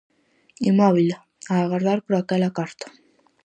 Inmóbil, a agardar por aquela carta.